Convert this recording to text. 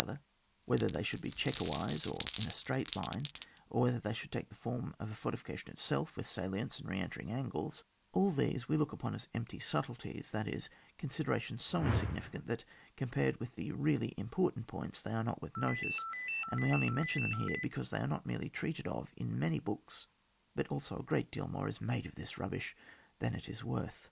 other ; whether they should be chequer wise, or in a straight line ; or whether they should take the form of a fortifica tion itself, with salients and re entering angles — ^all those we look upon as empty subtilties, that is, considerations so in significant, that, compared with the really important points, they are not worth notice ; and we only mention them here because they are not merely treated of in many books, but also a great deal more is made of this rubbish than it is worth.